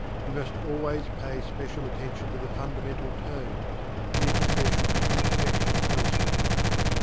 You must always pay special attention to the fundamental tones, even if there should be imperfections elsewhere.